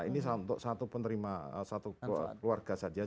ini untuk satu penerima satu keluarga saja